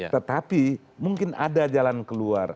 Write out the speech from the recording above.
tetapi mungkin ada jalan keluar